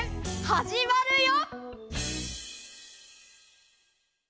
はじまるよ！